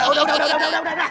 udah udah udah